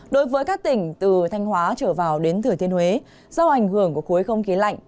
đối với các tỉnh từ thanh hóa trở vào đến thừa thiên huế do ảnh hưởng của khối không khí lạnh